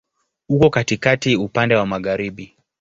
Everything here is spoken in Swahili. Uko katikati, upande wa magharibi.